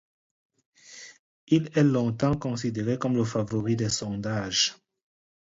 Il est longtemps considéré comme le favori des sondages.